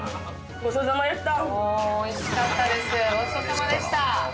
ごちそうさまでした。